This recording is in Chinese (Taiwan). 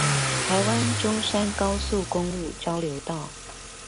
臺灣中山高速公路交流道